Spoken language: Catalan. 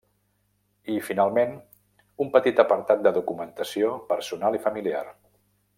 I, finalment, un petit apartat de documentació personal i familiar.